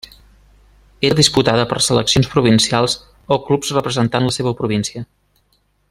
Era disputada per seleccions provincials o clubs representant la seva província.